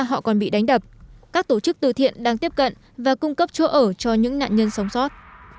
họ còn bị đánh đập các tổ chức từ thiện đang tiếp cận và cung cấp chỗ ở cho những nạn nhân sống sót